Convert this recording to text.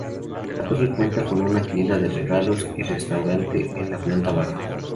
La torre cuenta con una tienda de regalos y restaurantes en la planta baja.